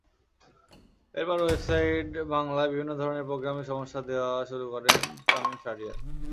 এরপর ওয়েবসাইটে বাংলায় বিভিন্ন ধরনের প্রোগ্রামিং সমস্যা দেওয়া শুরু করেন তামিম শাহরিয়ার।